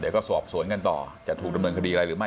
เดี๋ยวก็สอบสวนกันต่อจะถูกดำเนินคดีอะไรหรือไม่